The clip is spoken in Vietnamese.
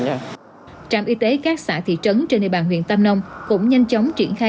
tại trạm y tế các xã thị trấn trên đề bàn huyện tam nông cũng nhanh chóng triển khai